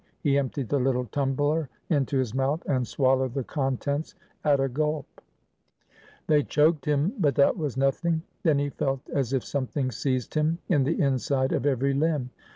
He emptied the little tumbler into his mouth, and swallowed the contents at a gulp. They choked him, but that was nothing. Then he felt as if something seized him in the inside of every limb.